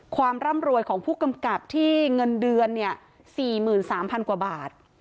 ความร่ำรวยของผู้กำกับที่เงินเดือน๔๓๐๐กว่าบาท